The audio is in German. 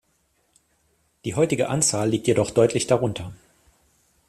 Die heutige Anzahl liegt jedoch deutlich darunter.